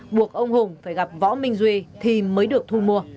buộc ông hùng phải gặp võ minh duy thì mới được thu mua